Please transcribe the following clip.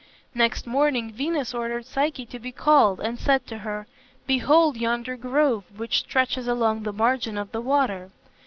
Next morning Venus ordered Psyche to be called and said to her, "Behold yonder grove which stretches along the margin of the water.